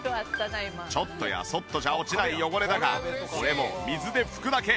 ちょっとやそっとじゃ落ちない汚れだがこれも水で拭くだけ。